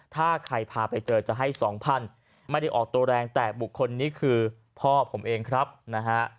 ถ้าใครพาไปเจอจะให้สองพันไม่ได้ออกตัวแรงแต่บุคคลนี้คือพ่อผมเองครับนะฮะ